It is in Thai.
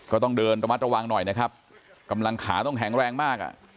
ก็ต้องเดินระมัดระวังหน่อยนะครับกำลังขาต้องแข็งแรงมากอ่ะ